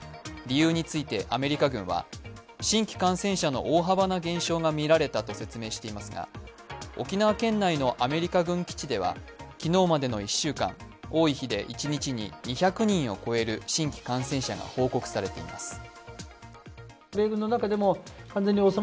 理由についてアメリカ軍は新規感染者の大幅な減少がみられたと説明していますが、沖縄県内のアメリカ軍基地では昨日までの１週間、多い日で１日に２００人を超える新規感染者が報告されています。